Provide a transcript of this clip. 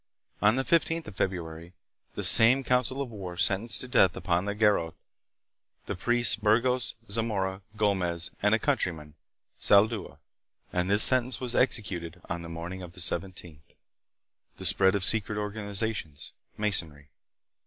On the 15th of Feb ruary the same council of war sentenced to death upon the garrote, the priests Burgos, Zamora, Gomez, and a countryman, Saldua; and this sentence was executed on the morning of the 17th. The Spread of Secret Organizations. Masonry.